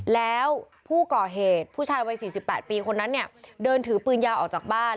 แล้วผู้ก่อเหตุผู้ชายวัย๔๘ปีคนนั้นเนี่ยเดินถือปืนยาวออกจากบ้าน